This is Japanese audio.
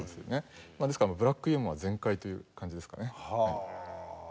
ですからブラックユーモア全開という感じですかね。